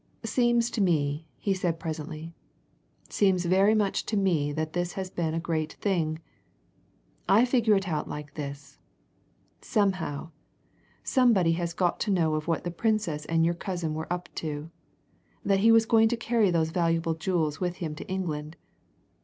"Seems to me," he said presently, "seems very much to me that this has been a great thing! I figure it out like this somehow, somebody has got to know of what the Princess and your cousin were up to that he was going to carry those valuable jewels with him to England.